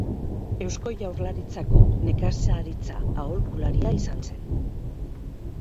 Eusko Jaurlaritzako nekazaritza-aholkularia izan zen.